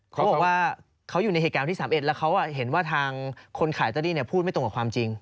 เขาบอกว่าเขาอยู่ในเหตุการณ์วันที่๓๑แล้วเขาเห็นว่าทางคนขายลอตเตอรี่พูดไม่ตรงกับความจริง